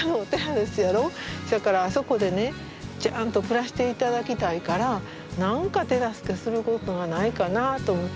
そやからあそこでねちゃんと暮らしていただきたいから何か手助けすることがないかなあと思って。